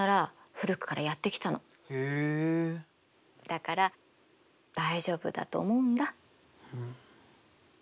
だから大丈夫だと思うんだ。